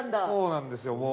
そうなんですよ